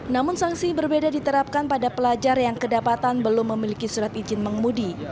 namun sanksi berbeda diterapkan pada pelajar yang kedapatan belum memiliki surat izin mengemudi